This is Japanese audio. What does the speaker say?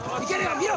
見ろ！